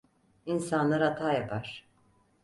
İnsanlar hata yapar.